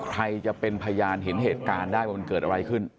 ใครจะเป็นพยานเห็นเหตุการณ์ได้ว่ามันเกิดอะไรขึ้น